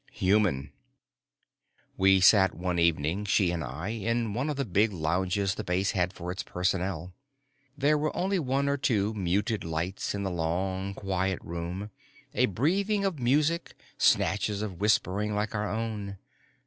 Human We sat one evening, she and I, in one of the big lounges the base had for its personnel. There were only one or two muted lights in the long quiet room, a breathing of music, snatches of whispering like our own.